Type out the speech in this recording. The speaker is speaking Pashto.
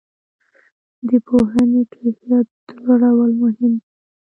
د پوهنې کیفیت لوړول مهم دي؟